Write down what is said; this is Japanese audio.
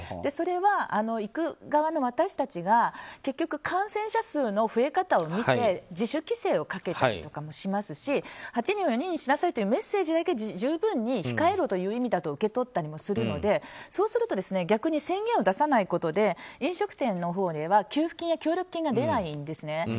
それは、行く側の私たちが結局、感染者数の増え方を見て自主規制をかけていたりしますし８人を４人にしなさいというメッセージだけで十分に控えろという意味に受け取ったりするのでそうすると逆に宣言を出さないことで飲食店の法では給付金や協力金が出ないんですね。